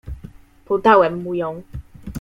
"Podałem mu ją."